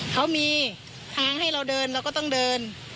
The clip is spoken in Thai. เขามีทางให้เราเดินเราก็ต้องเดิน